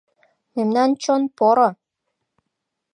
Мемнан чон поро!